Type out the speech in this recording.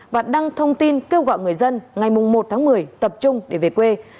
và đăng thông tin kêu gọi người dân ngày một tháng một mươi tập trung để về quê